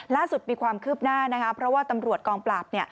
ล่าสุดมีความคืบหน้านะคะเพราะว่าตำรวจกองปราบ